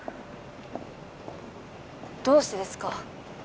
どうしてですか？